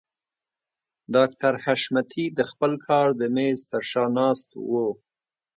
ډاکټر حشمتي د خپل کار د مېز تر شا ناست و.